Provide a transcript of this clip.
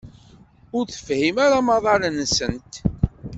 Ur tefhim ara amaḍal-nsent.